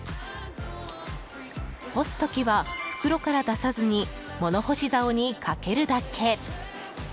干す時は、袋から出さずに物干し竿にかけるだけ！